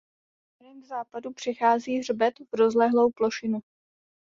Směrem k západu přechází hřbet v rozlehlou plošinu.